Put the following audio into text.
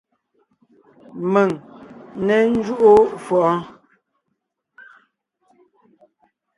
Mèŋ n né ńjúʼu fʉʼɔɔn!